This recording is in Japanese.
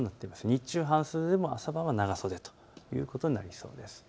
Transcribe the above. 日中、半袖でも朝晩は長袖ということになりそうです。